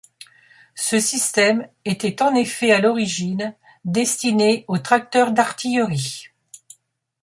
Ce système était en effet à l'origine destiné aux tracteurs d'artillerie.